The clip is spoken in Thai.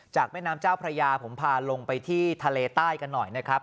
แม่น้ำเจ้าพระยาผมพาลงไปที่ทะเลใต้กันหน่อยนะครับ